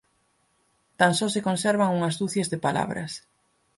Tan só se conservan unhas ducias de palabras.